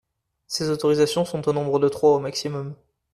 Ces autorisations sont au nombre de trois au maximum.